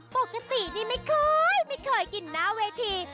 ปกตินี่ไม่เคยไม่เคยกินหน้าเวที